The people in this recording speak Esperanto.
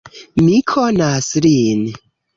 Mi konas lin!